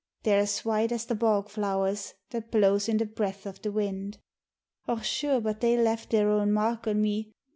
They're as white as the bog flowers that blows in the breath o' the wind. Och, sure, but they left their own mark on me.